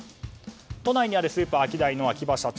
都内にあるスーパーアキダイの秋葉社長。